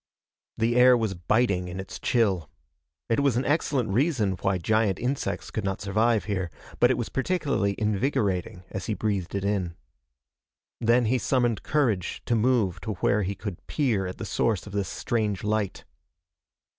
The air was biting in its chill. It was an excellent reason why giant insects could not survive here, but it was particularly invigorating as he breathed it in. Then he summoned courage to move to where he could peer at the source of this strange light.